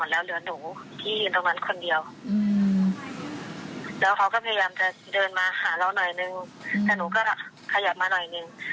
แล้วก็ขยับมาหน่อยหนึ่ง